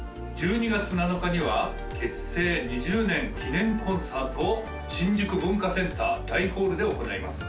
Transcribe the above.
１２月７日には結成２０年記念コンサートを新宿文化センター大ホールで行います